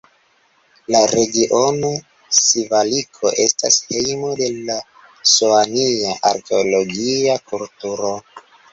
La regiono Sivaliko estas hejmo de la Soania arkeologia kulturo.